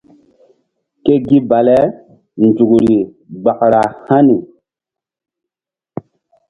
Ke gi bale nzukri gbara hani.